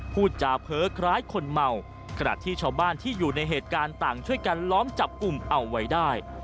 พูดจาเพ้อคล้ายคนเมาขณะที่ชาวบ้านที่อยู่ในเหตุการณ์ต่างช่วยกันล้อมจับกลุ่มเอาไว้ได้